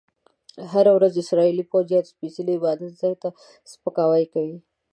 هره ورځ اسرایلي پوځیان سپیڅلي عبادت ځای ته سپکاوی کوي.